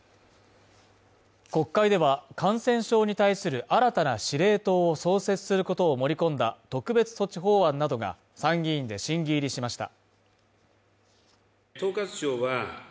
国会では、感染症に対する新たな司令塔を創設することを盛り込んだ特別措置法案などが参議院で審議入りしました